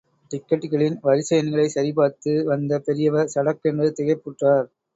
டிக்கட்டுகளின் வரிசை எண்களைச் சரிபார்த்து வந்த பெரியவர் சடக்கென்று திகைப்புற்றார்.